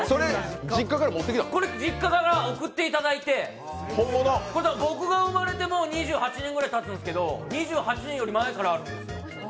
これ、実家から送っていただいて僕が生まれてもう２８年ぐらいたつんですけど、２８年より前からあるんです。